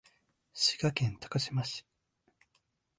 滋賀県高島市